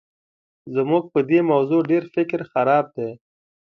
زموږ په دې موضوع ډېر فکر خراب دی.